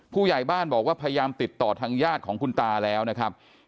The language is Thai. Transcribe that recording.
ผู้ใหญ่บ้านบอกว่าพยายามติดต่อทางญาติของคุณตาแล้วนะครับ